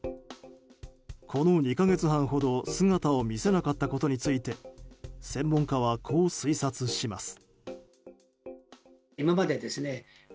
この２か月半ほど姿を見せなかったことについて専門家は、こう推察します。